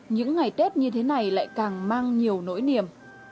những ngày tết như thế này lại càng mang nhiều nỗi niềm